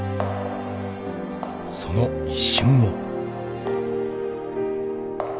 ［その一瞬を］